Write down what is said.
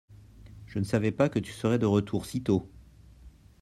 je ne savais pas que tu serais de retour si tôt.